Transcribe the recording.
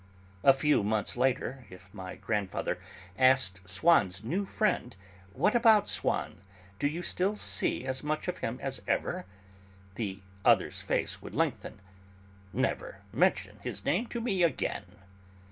A few months later, if my grandfather asked Swann's new friend "What about Swann? Do you still see as much of him as ever?" the other's face would lengthen: "Never mention his name to me again!"